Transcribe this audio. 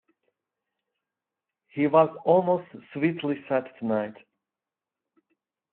He was almost sweetly sad tonight.